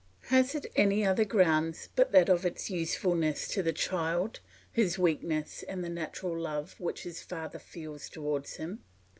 Has it any other grounds but that of its usefulness to the child, his weakness, and the natural love which his father feels towards him?